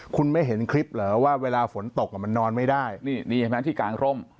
คุณไม่เห็นคลิปเหรอว่าเวลาฝนตกมันนอนไม่ได้นี่เห็นไหมที่กลางร่ม